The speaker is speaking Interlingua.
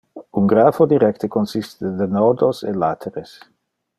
Un grapho directe consiste de nodos e lateres.